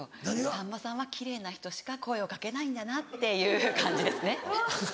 さんまさんは奇麗な人しか声を掛けないんだなっていう感じですね。